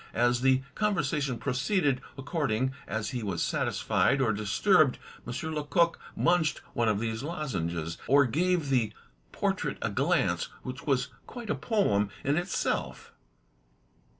As the conversation proceeded, according as he was satisfied or disturbed, M. Lecoq mimched one of these lozenges or gave the portrait a glance which was quite a poem in itself.